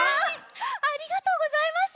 ありがとうございます！